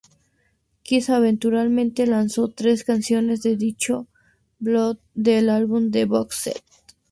Kiss eventualmente lanzó tres canciones de dicho bootleg en el álbum "The Box Set".